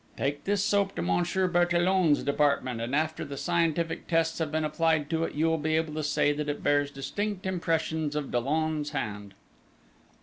Take this soap to Monsieur Bertillon's department, and after the scientific tests have been applied to it, you will be able to say that it bears distinct impressions of Dollon's hand!"